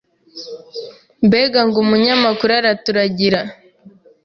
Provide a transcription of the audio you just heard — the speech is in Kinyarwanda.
Mbega ngo umunyamakuru Araturagira.